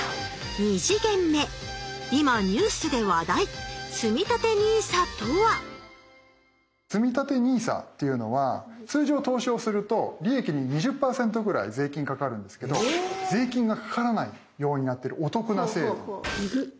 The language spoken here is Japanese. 今ニュースで話題つみたてＮＩＳＡっていうのは通常投資をすると利益に２０％ぐらい税金かかるんですけど税金がかからないようになってるお得な制度。